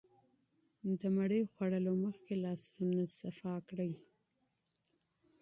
د ډوډۍ خوړلو مخکې لاسونه پاک کړئ.